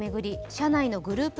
社内のグループ